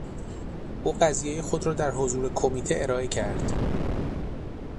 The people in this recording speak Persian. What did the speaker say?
او قضیهی خود را در حضور کمیته ارائه کرد.